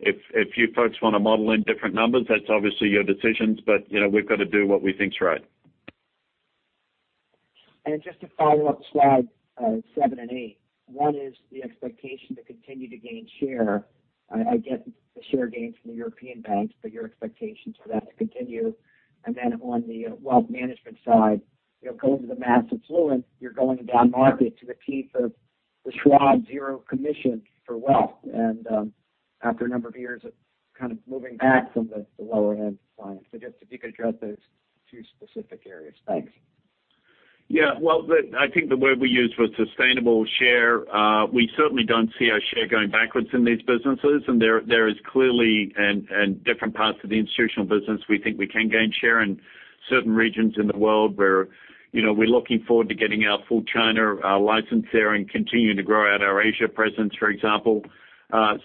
If you folks want to model in different numbers, that's obviously your decisions. We've got to do what we think is right. Just to follow up slide seven and eight. One is the expectation to continue to gain share. I get the share gains from the European banks, your expectations for that to continue. On the wealth management side, going to the mass affluent, you're going down market to compete for the Schwab zero commission for wealth and after a number of years of kind of moving back from the lower end clients. Just if you could address those two specific areas. Thanks. Well, I think the word we used was sustainable share. We certainly don't see our share going backwards in these businesses. There is clearly, in different parts of the institutional business, we think we can gain share in certain regions in the world where we're looking forward to getting our full China license there and continuing to grow out our Asia presence, for example. I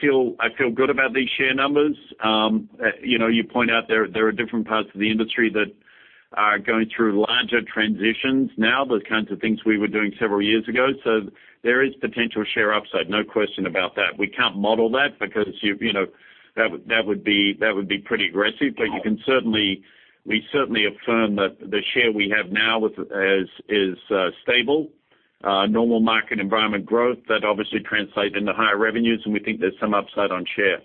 feel good about these share numbers. You point out there are different parts of the industry that are going through larger transitions now, the kinds of things we were doing several years ago. There is potential share upside, no question about that. We can't model that because that would be pretty aggressive. We certainly affirm that the share we have now is stable. Normal market environment growth, that obviously translates into higher revenues, and we think there's some upside on share.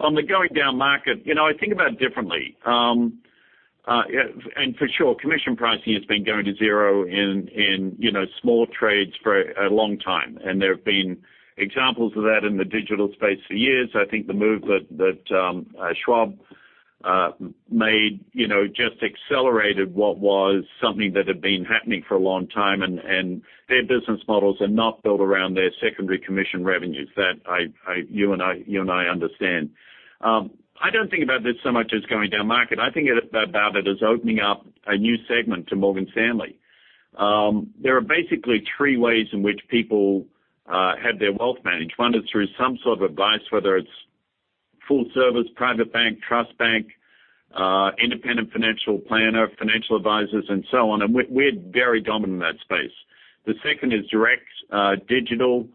On the going down market, I think about it differently. For sure, commission pricing has been going to zero in small trades for a long time, and there have been examples of that in the digital space for years. I think the move that Schwab made just accelerated what was something that had been happening for a long time, and their business models are not built around their secondary commission revenues. That you and I understand. I don't think about this so much as going down market. I think about it as opening up a new segment to Morgan Stanley. There are basically three ways in which people have their wealth managed, one is through some sort of advice, whether it's full service, private bank, trust bank, independent financial planner, financial advisors, and so on. We're very dominant in that space. The second is direct digital,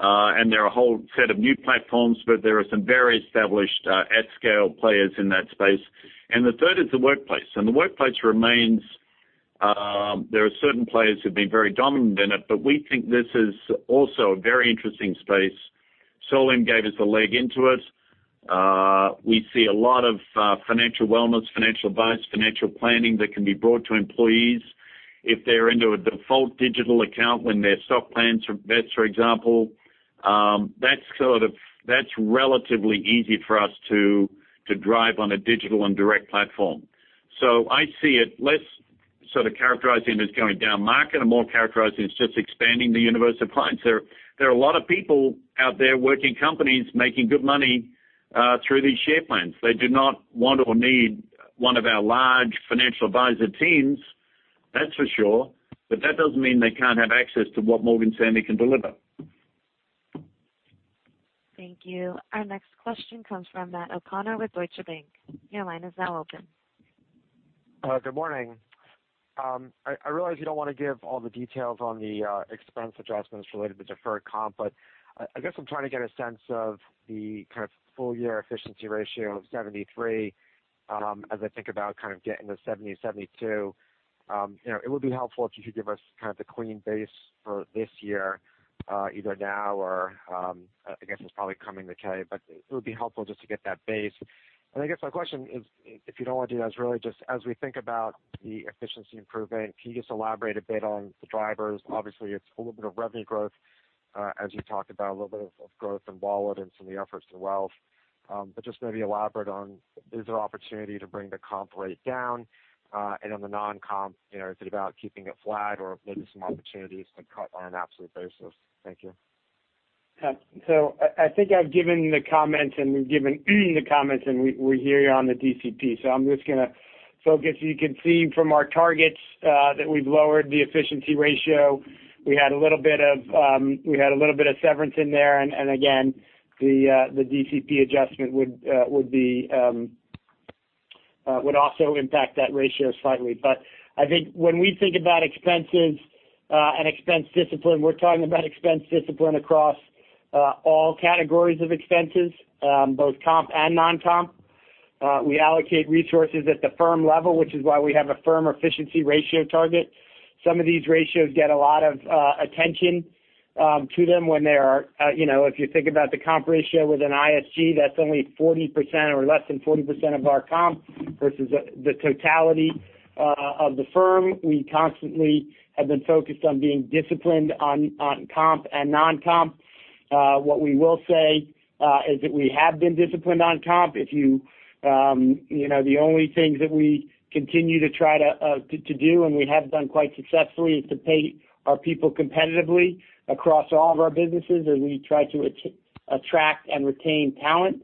and there are a whole set of new platforms, but there are some very established at-scale players in that space. The third is the workplace. The workplace remains, there are certain players who've been very dominant in it, but we think this is also a very interesting space. Solium gave us a leg into it. We see a lot of financial wellness, financial advice, financial planning that can be brought to employees if they're into a default digital account when their stock plans vest, for example. That's relatively easy for us to drive on a digital and direct platform. I see it less sort of characterizing as going down market and more characterizing as just expanding the universe of clients. There are a lot of people out there working companies making good money through these share plans. They do not want or need one of our large financial advisor teams, that's for sure. That doesn't mean they can't have access to what Morgan Stanley can deliver. Thank you. Our next question comes from Matt O'Connor with Deutsche Bank. Your line is now open. Good morning. I realize you don't want to give all the details on the expense adjustments related to deferred comp, I guess I'm trying to get a sense of the kind of full-year efficiency ratio of 73 as I think about kind of getting to 70, 72. It would be helpful if you could give us kind of the clean base for this year, either now or, I guess it's probably coming to K, it would be helpful just to get that base. I guess my question is, if you'd all do that, is really just as we think about the efficiency improvement, can you just elaborate a bit on the drivers? Obviously, it's a little bit of revenue growth, as you talked about, a little bit of growth in wallet and some of the efforts in wealth. Just maybe elaborate on, is there opportunity to bring the comp rate down? On the non-comp, is it about keeping it flat or maybe some opportunities to cut on an absolute basis? Thank you. I think I've given the comment and we hear you on the DCP, so I'm just going to focus. You can see from our targets that we've lowered the efficiency ratio. We had a little bit of severance in there, again, the DCP adjustment would also impact that ratio slightly. I think when we think about expenses and expense discipline, we're talking about expense discipline across all categories of expenses, both comp and non-comp. We allocate resources at the firm level, which is why we have a firm efficiency ratio target. Some of these ratios get a lot of attention to them if you think about the comp ratio within ISG, that's only 40% or less than 40% of our comp versus the totality of the firm. We constantly have been focused on being disciplined on comp and non-comp. What we will say is that we have been disciplined on comp. The only things that we continue to try to do, and we have done quite successfully, is to pay our people competitively across all of our businesses as we try to attract and retain talent.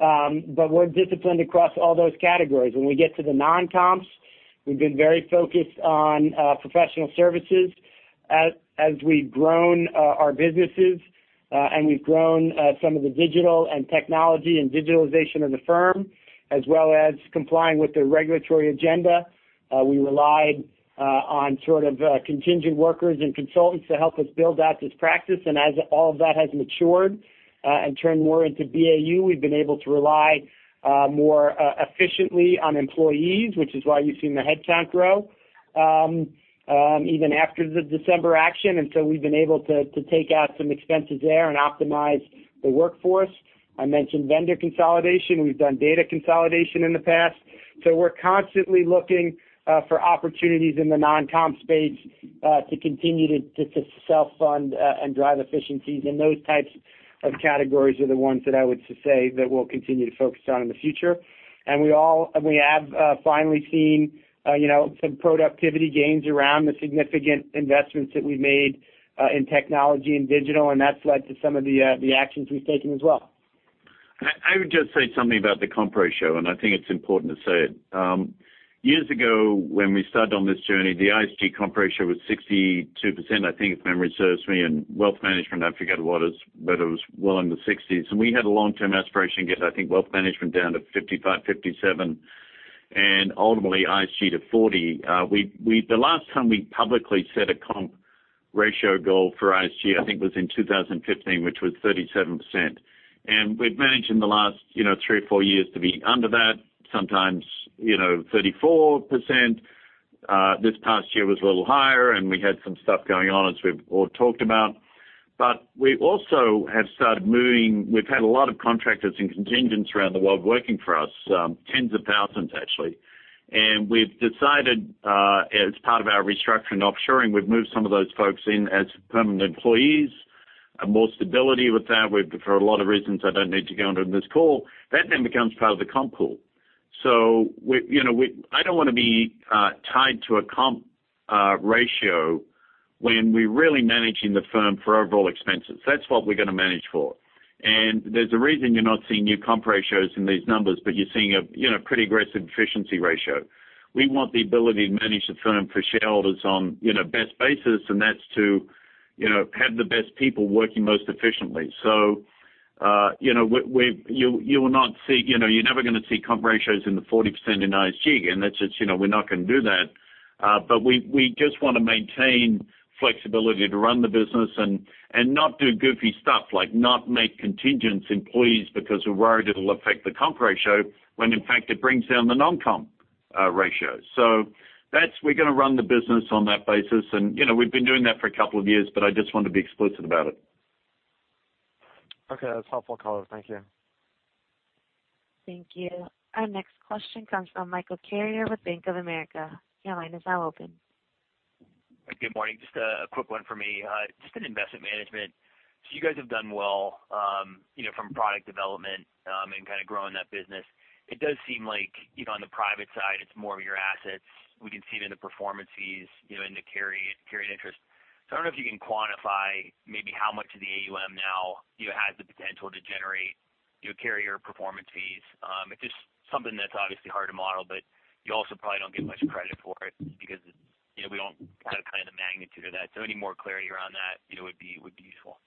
We're disciplined across all those categories. When we get to the non-comp, we've been very focused on professional services as we've grown our businesses and we've grown some of the digital and technology and digitalization of the firm, as well as complying with the regulatory agenda. We relied on contingent workers and consultants to help us build out this practice. As all of that has matured and turned more into BAU, we've been able to rely more efficiently on employees, which is why you've seen the headcount grow even after the December action. We've been able to take out some expenses there and optimize the workforce. I mentioned vendor consolidation. We've done data consolidation in the past. We're constantly looking for opportunities in the non-comp space to continue to self-fund and drive efficiencies. Those types of categories are the ones that I would say that we'll continue to focus on in the future. We have finally seen some productivity gains around the significant investments that we've made in technology and digital, and that's led to some of the actions we've taken as well. I would just say something about the comp ratio, and I think it's important to say it. Years ago, when we started on this journey, the ISG comp ratio was 62%, I think, if memory serves me. Wealth Management, I forget what it is, but it was well in the 60s. We had a long-term aspiration to get, I think, Wealth Management down to 55-57, and ultimately ISG to 40. The last time we publicly set a comp ratio goal for ISG, I think, was in 2015, which was 37%. We've managed in the last 3 or 4 years to be under that sometimes 34%. This past year was a little higher and we had some stuff going on, as we've all talked about. We also have started moving. We've had a lot of contractors and contingents around the world working for us. Tens of thousands, actually. We've decided as part of our restructuring and offshoring, we've moved some of those folks in as permanent employees. More stability with that for a lot of reasons I don't need to go into in this call. That becomes part of the comp pool. I don't want to be tied to a comp ratio when we're really managing the firm for overall expenses. That's what we're going to manage for. There's a reason you're not seeing new comp ratios in these numbers, but you're seeing a pretty aggressive efficiency ratio. We want the ability to manage the firm for shareholders on best basis, and that's to have the best people working most efficiently. You're never going to see comp ratios in the 40% in ISG. That's just, we're not going to do that. We just want to maintain flexibility to run the business and not do goofy stuff like not make contingent employees because we're worried it'll affect the comp ratio when in fact it brings down the non-comp ratio. We're going to run the business on that basis. We've been doing that for a couple of years, but I just wanted to be explicit about it. Okay. That's helpful, Colin. Thank you. Thank you. Our next question comes from Michael Carrier with Bank of America. Your line is now open. Good morning. Just a quick one for me. Just in investment management. You guys have done well from product development and kind of growing that business. It does seem like on the private side, it's more of your assets. We can see it in the performance fees, in the carried interest. I don't know if you can quantify maybe how much of the AUM now has the potential to generate your carried performance fees. It's just something that's obviously hard to model, but you also probably don't get much credit for it because we don't have kind of the magnitude of that. Any more clarity around that would be useful.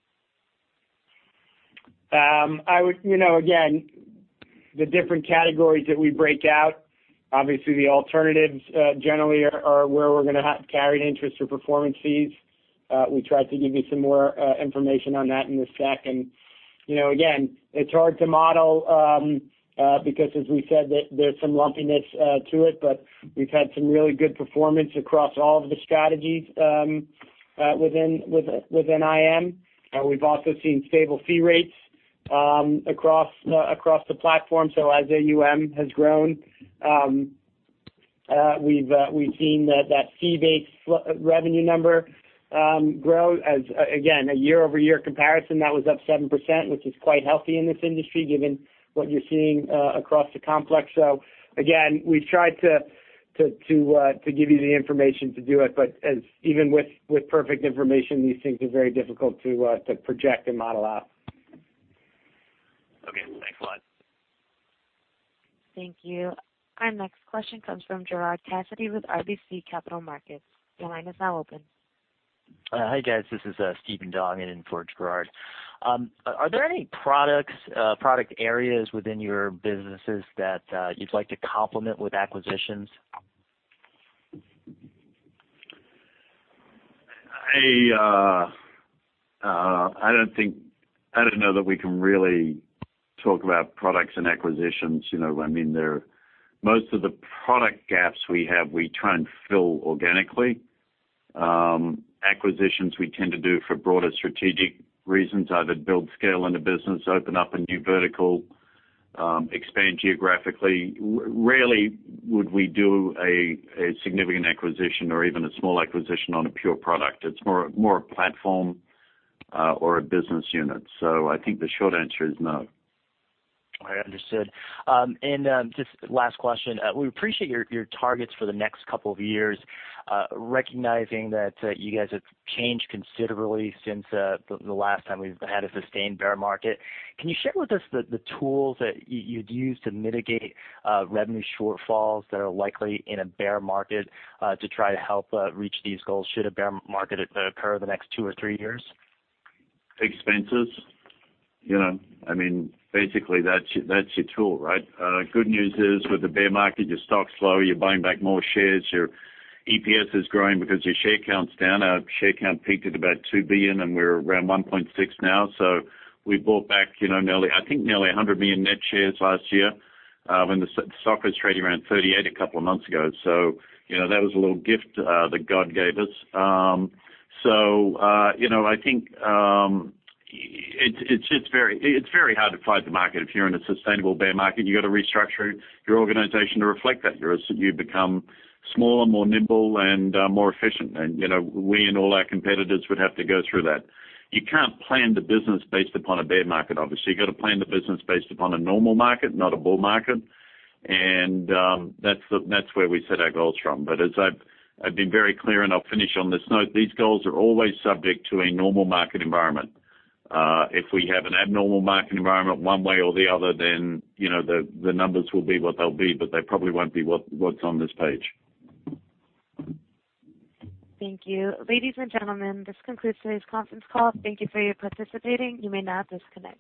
The different categories that we break out, obviously the alternatives generally are where we're going to have carried interest or performance fees. We tried to give you some more information on that in the stack. Again, it's hard to model because as we said, there's some lumpiness to it, but we've had some really good performance across all of the strategies within IM. We've also seen stable fee rates across the platform. As AUM has grown, we've seen that fee-based revenue number grow. A year-over-year comparison that was up 7%, which is quite healthy in this industry given what you're seeing across the complex. Again, we've tried to give you the information to do it. Even with perfect information, these things are very difficult to project and model out. Okay. Thanks a lot. Thank you. Our next question comes from Gerard Cassidy with RBC Capital Markets. Your line is now open. Hi, guys. This is Steven Dong in for Gerard. Are there any product areas within your businesses that you'd like to complement with acquisitions? I don't know that we can really talk about products and acquisitions. Most of the product gaps we have, we try and fill organically. Acquisitions, we tend to do for broader strategic reasons, either build scale in the business, open up a new vertical, expand geographically. Rarely would we do a significant acquisition or even a small acquisition on a pure product. It's more a platform or a business unit. I think the short answer is no. All right, understood. Just last question. We appreciate your targets for the next couple of years, recognizing that you guys have changed considerably since the last time we've had a sustained bear market. Can you share with us the tools that you'd use to mitigate revenue shortfalls that are likely in a bear market to try to help reach these goals should a bear market occur the next two or three years? Expenses. Basically, that's your tool, right? Good news is with the bear market, your stock's low, you're buying back more shares, your EPS is growing because your share count's down. Our share count peaked at about $2 billion, and we're around 1.6 now. We bought back I think nearly $100 million net shares last year when the stock was trading around $38 a couple of months ago. That was a little gift that God gave us. I think it's very hard to fight the market. If you're in a sustainable bear market, you've got to restructure your organization to reflect that. You become smaller, more nimble, and more efficient. We and all our competitors would have to go through that. You can't plan the business based upon a bear market, obviously. You've got to plan the business based upon a normal market, not a bull market. That's where we set our goals from. As I've been very clear, and I'll finish on this note, these goals are always subject to a normal market environment. If we have an abnormal market environment one way or the other, the numbers will be what they'll be, but they probably won't be what's on this page. Thank you. Ladies and gentlemen, this concludes today's conference call. Thank you for your participating. You may now disconnect.